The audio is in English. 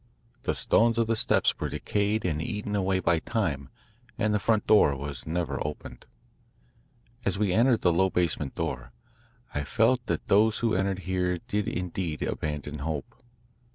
The stones of the steps were decayed and eaten away by time, and the front door was never opened. As we entered the low basement door, I felt that those who entered here did indeed abandon hope.